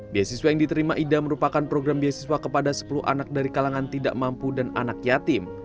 beasiswa yang diterima ida merupakan program beasiswa kepada sepuluh anak dari kalangan tidak mampu dan anak yatim